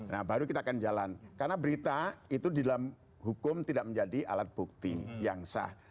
nah baru kita akan jalan karena berita itu di dalam hukum tidak menjadi alat bukti yang sah